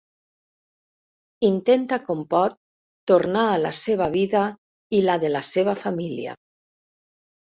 Intenta com pot tornar a la seva vida i la de la seva família.